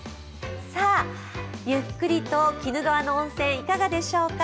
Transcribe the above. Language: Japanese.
ゆっくりと鬼怒川の温泉、いかがでしょうか。